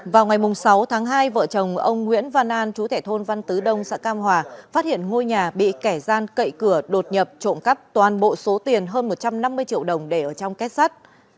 vào ngày sáu tháng hai vợ chồng ông nguyễn văn an chú thẻ thôn văn tứ đông xã cam hòa phát hiện ngôi nhà bị kẻ gian cậy cửa đột nhập trộm cắp toàn bộ số tiền hơn một trăm năm mươi triệu đồng để ở trong kết sắt